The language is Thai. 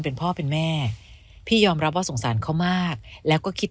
เป็นพ่อเป็นแม่พี่ยอมรับว่าสงสารเขามากแล้วก็คิด